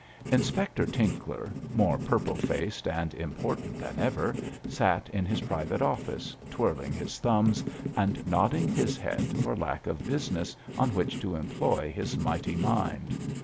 Inspector Tinkler, more purple faced and important than ever, sat in his private office, twirling his thumbs and nodding his head for lack of business on which to employ his mighty mind.